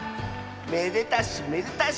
めでたしめでたし。